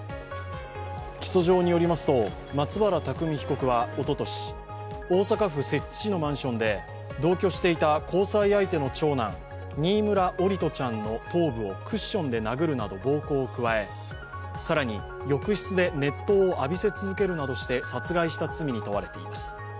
起訴状によりますと、松原拓海被告はおととし、大阪府摂津市のマンションで同居していた交際相手の長男新村桜利斗ちゃんの頭部をクッションで殴るなど暴行を加え更に浴室で熱湯を浴びせ続けるなどして殺害した罪に問われています。